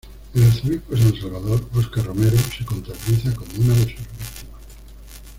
El arzobispo de San Salvador, Óscar Romero se contabiliza como una de sus víctimas.